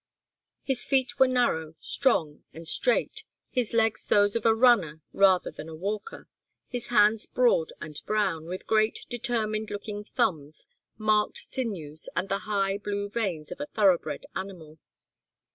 His feet were narrow, strong, and straight, his legs those of a runner rather than a walker, his hands broad and brown, with great, determined looking thumbs, marked sinews, and the high, blue veins of a thoroughbred animal.